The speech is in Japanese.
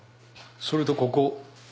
それとここ。